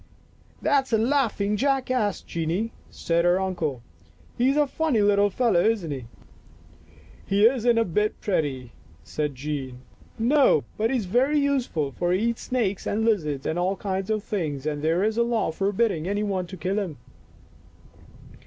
Hoo hoo hoo !"" That's a laughing jackass, Jeanie," said her uncle. " He's a funny little fellow, isn't he?" " He isn't a bit pretty," said Jean. " No, but he's very useful, for he eats snakes and lizards and all kinds of things, and there is a law forbidding any one to kill him."